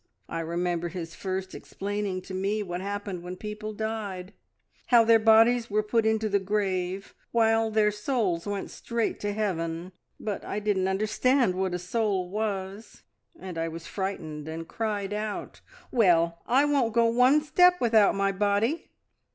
I remember his first explaining to me what happened when people died how their bodies were put into the grave, while their souls went straight to heaven; but I didn't understand what a soul was, and I was frightened and cried out, `Well, I won't go one step without my body!'